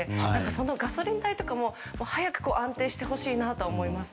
そのガソリン代とか、早く安定してほしいなと思います。